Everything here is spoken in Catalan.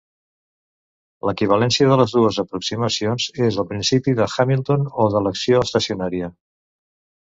L'equivalència de les dues aproximacions és el principi de Hamilton o de l'acció estacionària.